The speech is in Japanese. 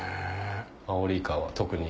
アオリイカは特に。